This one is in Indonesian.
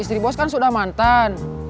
istri bos kan sudah mantan